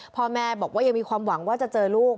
พ่อแม่บอกว่ายังมีความหวังว่าจะเจอลูก